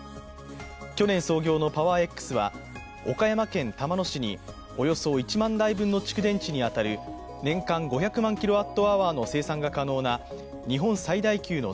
去年創業のパワーエックスは岡山県玉野市におよそ１万台分の蓄電池に当たる年間５００万キロワットアワーの生産が可能な日本最大級の